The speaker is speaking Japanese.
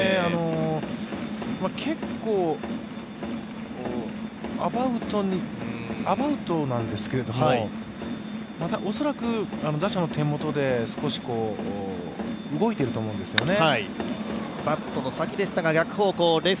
結構、アバウトなんですけれども、恐らく打者の手元で少し動いていると思うんですよね。